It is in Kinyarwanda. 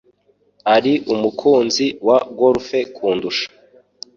Ari umukunzi wa golf kundusha.